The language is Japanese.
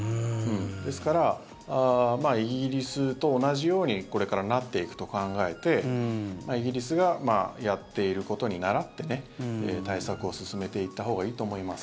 ですから、イギリスと同じようにこれからなっていくと考えてイギリスがやっていることに倣って対策を進めていったほうがいいと思います。